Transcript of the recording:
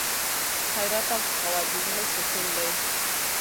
خیرات او سخاوت د زړه سکون دی.